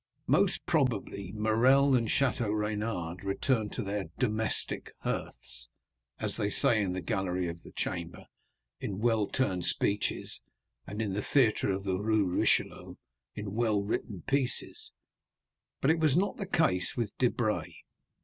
Most probably Morrel and Château Renaud returned to their "domestic hearths," as they say in the gallery of the Chamber in well turned speeches, and in the theatre of the Rue Richelieu in well written pieces; but it was not the case with Debray.